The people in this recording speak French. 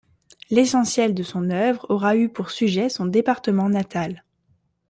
L'essentiel de son œuvre aura eu pour sujet son département natal.